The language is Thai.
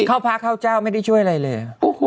เข้าพระเข้าเจ้าไม่ได้ช่วยอะไรเลย